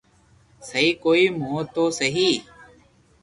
سھي ڪوئي مون تو سھي